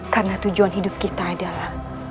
karena tujuan hidup kita adalah